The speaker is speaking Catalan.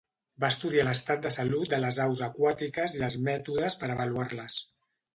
Va estudiar l'estat de salut de les aus aquàtiques i els mètodes per avaluar-les.